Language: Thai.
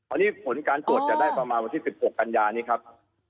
อันนี้ผลการตรวจจะได้ประมาณวันที่๑๖กันยานี้ครับ